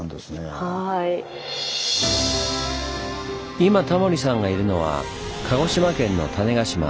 今タモリさんがいるのは鹿児島県の種子島。